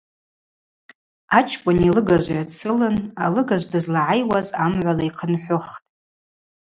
Ачкӏвыни алыгажви ацылын алыгажв дызлагӏайуаз амгӏвала йхъынхӏвыхтӏ.